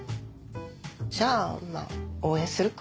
じゃあ応援するか。